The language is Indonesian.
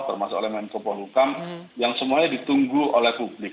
termasuk oleh menkubur hukum yang semuanya ditunggu oleh publik